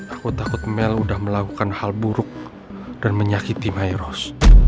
aku takut mel sudah melakukan hal buruk dan menyakiti maeros